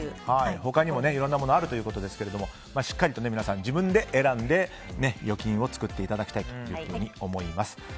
他にもいろんなものがあるということですがしっかりと皆さん自分で選んで預金を作っていただきたいと思います。